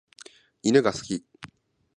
犬が好き。